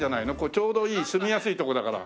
ちょうどいい住みやすいとこだから。